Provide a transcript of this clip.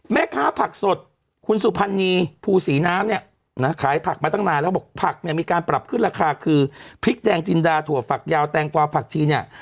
แม่ค้าผักสดคุณสุพรรณีภูศรีน้ำเนี่ยนะขายผักมาตั้งนานแล้วบอกผักเนี่ยมีการปรับขึ้นราคาคือพริกแดงจินดาถั่วฝักยาวแตงกวาผักชีเนี่ย